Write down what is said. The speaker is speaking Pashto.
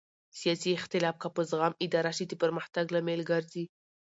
سیاسي اختلاف که په زغم اداره شي د پرمختګ لامل ګرځي